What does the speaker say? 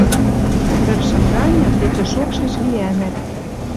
Рӹпшӹм ганьы, кечӹ шокшеш виӓнӓт.